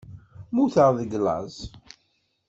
Mmuteɣ deg laẓ.